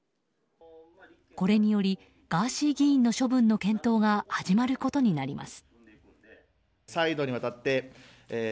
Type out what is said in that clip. これによりガーシー議員の処分の検討が始まることになります。